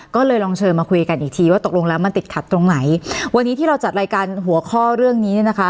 ก็เลยลองเชิญมาคุยกันอีกทีว่าตกลงแล้วมันติดขัดตรงไหนวันนี้ที่เราจัดรายการหัวข้อเรื่องนี้เนี่ยนะคะ